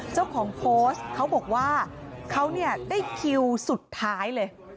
เจ้าของโพสต์เขาบอกว่าเขาเนี่ยได้คิวสุดท้ายเลย